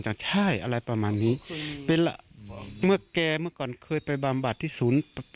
จะใช่อะไรประมาณนี้เป็นล่ะเมื่อแกเมื่อก่อนเคยไปบำบัดที่ศูนย์